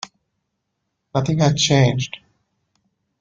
Nothing had changed.